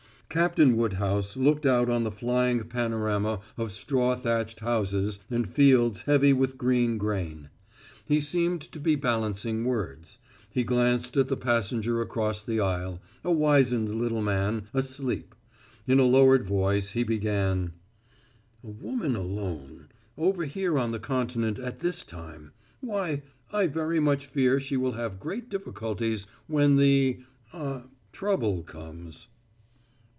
Captain Woodhouse looked out on the flying panorama of straw thatched houses and fields heavy with green grain. He seemed to be balancing words. He glanced at the passenger across the aisle, a wizened little man, asleep. In a lowered voice he began: "A woman alone over here on the Continent at this time; why, I very much fear she will have great difficulties when the ah trouble comes."